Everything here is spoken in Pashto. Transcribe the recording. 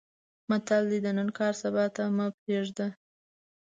متل دی: د نن کار سبا ته مې پرېږده.